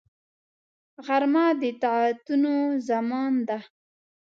غرمه د طاعتونو زمان ده